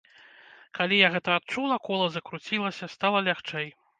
Калі я гэта адчула, кола закруцілася, стала лягчэй.